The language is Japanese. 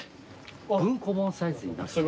文庫本サイズになる。